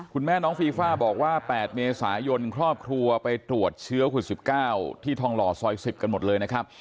คุณแม่น้องฟีฟ่าบอกว่า๘เมษายนครอบครัวไปตรวจเชื้อคุณ๑๙ที่ทองหล่อซอย๑๐กันหมดเลยนะครับ